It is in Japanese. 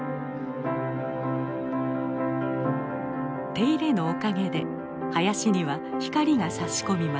手入れのおかげで林には光がさし込みます。